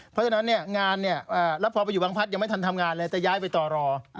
เพราะฉะนั้นเนี่ยงานเนี่ยแล้วพอไปอยู่บางพัฒน์ยังไม่ทันทำงานเลยจะย้ายไปต่อรอ